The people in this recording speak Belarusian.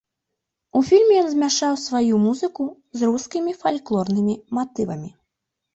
У фільме ён змяшаў сваю музыку з рускімі фальклорнымі матывамі.